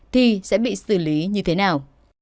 thì sẽ bị xử lý như thế nào